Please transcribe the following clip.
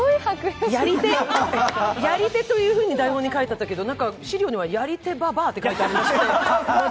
やり手というふうに書いてあったけどなんか資料にはやり手ばばあと書いてあって。